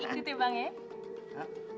ikut ya bang ya